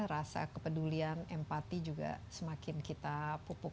rasa kepedulian empati juga semakin kita pupuk